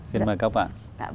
xin mời các bạn